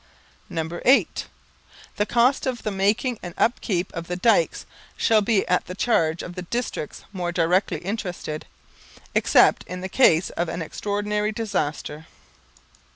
_ (8) _The cost of the making and upkeep of the dykes shall be at the charge of the districts more directly interested, except in the case of an extraordinary disaster.